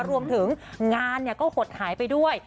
รวมถึงงานก็หดหายไปด้วย